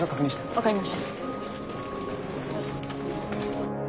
分かりました。